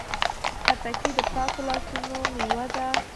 خټکی د پاکو لاسونو میوه ده.